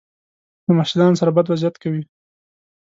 له محصلانو سره بد وضعیت کوي.